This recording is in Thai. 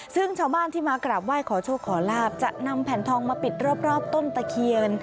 ซึ่งชาวบ้านที่มากราบไหว้ขอโชคขอลาบจะนำแผ่นทองมาปิดรอบต้นตะเคียน